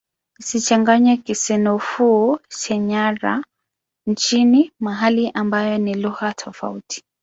Isichanganywe na Kisenoufo-Syenara nchini Mali ambayo ni lugha tofauti.